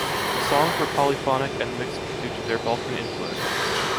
The songs were polyphonic and mixed due to their Balkan influence.